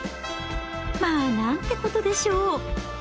まあなんてことでしょう！